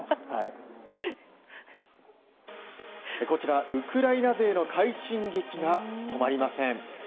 こちら、ウクライナ勢の快進撃が止まりません。